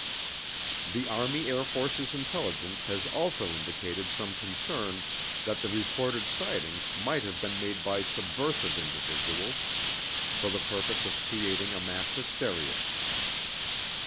The Army Air Forces Intelligence has also indicated some concern that the reported sightings might have been made by subversive individuals for the purpose of creating a mass hysteria.